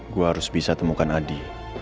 gue harus bisa temukan adi